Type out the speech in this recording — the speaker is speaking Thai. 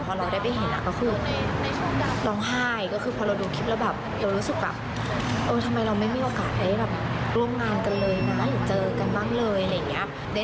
พอเราได้ไปเห็นก็คือร้องไห้ก็คือพอเราดูคลิปแล้วแบบเรารู้สึกแบบเออทำไมเราไม่มีโอกาสได้แบบร่วมงานกันเลยนะหรือเจอกันบ้างเลยอะไรอย่างนี้